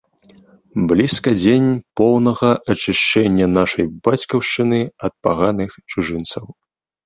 Блізка дзень поўнага ачышчэння нашай бацькаўшчыны ад паганых чужынцаў.